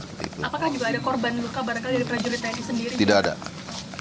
apakah juga ada korban luka barangkali dari prajurit tni sendiri